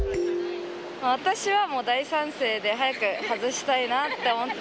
私はもう大賛成で、早く外したいなって思ってて。